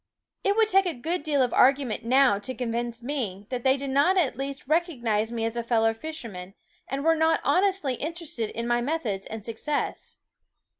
It would take a good deal of argument now to convince me that they did not at last rec ognize me as a fellow fisherman, and were not honestly interested in my methods and success.